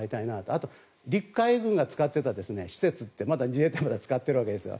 あと陸海軍が使っていた施設って、まだ自衛隊が使っているわけですね。